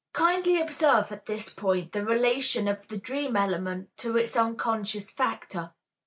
Kindly observe at this point the relation of the dream element to its unconscious factor.